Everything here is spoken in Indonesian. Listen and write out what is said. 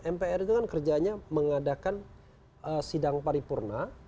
mpr itu kan kerjanya mengadakan sidang paripurna